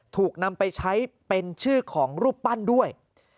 ถูกนำไปใช้เป็นชื่อของรูปปั้นด้วย